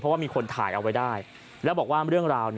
เพราะว่ามีคนถ่ายเอาไว้ได้แล้วบอกว่าเรื่องราว